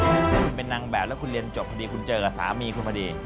ถ้าคุณเป็นนางแบบแล้วคุณเรียนจบพอดีคุณเจอกับสามีคุณพอดี